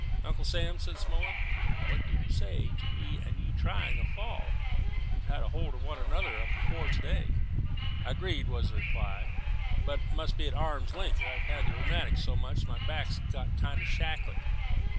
"Uncle Sam," said Smullen, "what do you say to me and you trying a fall; we've had hold of one another afore to day?" "Agreed," was the reply; "but it must be at arm's length. I've had the rheumatics so much that my back's got kinder shackly."